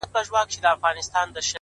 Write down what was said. پوهه د امکاناتو افق پراخوي,